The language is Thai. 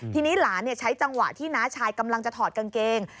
ทีนี้หลานใช้จังหวะที่น้าชายกำลังจะถอดกางเกง